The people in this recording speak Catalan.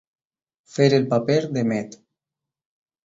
Fer el paper de met.